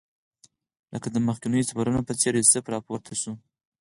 لکه د مخکنیو سفرونو په څېر یوسف راپورته شو.